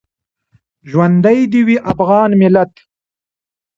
ژوندی دې وي افغان ملت